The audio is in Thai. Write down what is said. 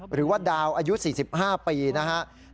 หรือว่าดาวอายุสี่สิบห้าสภาพิละมงคริสต์